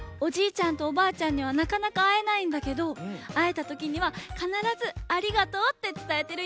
ちゃんとおばあちゃんにはなかなかあえないんだけどあえたときにはかならずありがとうってつたえてるよ。